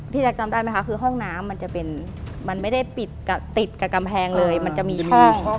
แจ๊คจำได้ไหมคะคือห้องน้ำมันจะเป็นมันไม่ได้ปิดติดกับกำแพงเลยมันจะมีช่อง